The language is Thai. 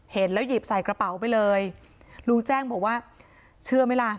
เห็นแล้วหยิบใส่กระเป๋าไปเลยลุงแจ้งบอกว่าเชื่อไหมล่ะ